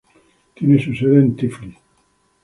Tienen su sede en Tiflis.